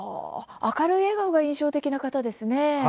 明るい笑顔が印象的な方ですね。